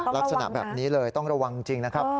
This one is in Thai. ลักษณะแบบนี้เลยต้องระวังจริงนะครับ